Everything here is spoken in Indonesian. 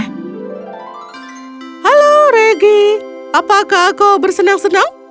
halo regi apakah kau bersenang senang